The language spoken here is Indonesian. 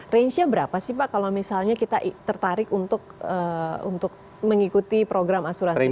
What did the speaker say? range nya berapa sih pak kalau misalnya kita tertarik untuk mengikuti program asuransi ini